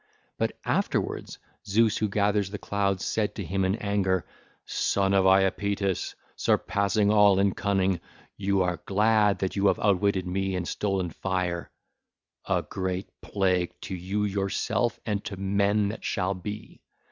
But afterwards Zeus who gathers the clouds said to him in anger: (ll. 54 59) 'Son of Iapetus, surpassing all in cunning, you are glad that you have outwitted me and stolen fire—a great plague to you yourself and to men that shall be.